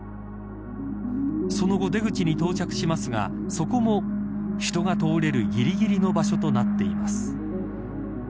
その後、出口に到着しますがそこも、人が通れるぎりぎりの場所となっています。